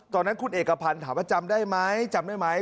ตอนนั้นคุณเอกพันธ์ถามว่าจำได้ไหมจำได้ไหม